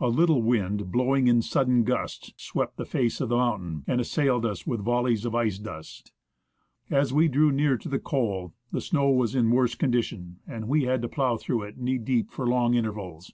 A little wind blowing in sudden gusts swept the face of the mountain, and assailed us with volleys of icy dust. As we drew near to the col the snow was in worse con dition, and we had to plough through it knee deep for long intervals.